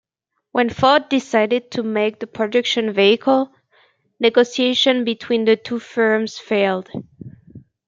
When Ford decided to make the production vehicle, negotiations between the two firms failed.